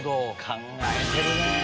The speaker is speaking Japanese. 考えてるね。